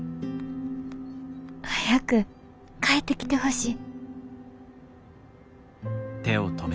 早く帰ってきてほしい」。